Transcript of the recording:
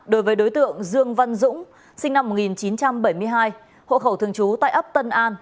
đối với đối tượng dương văn dũng sinh năm một nghìn chín trăm bảy mươi hai hộ khẩu thường trú tại ấp tân an